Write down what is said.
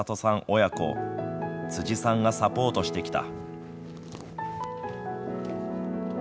親子を辻さんがサポートしてきた。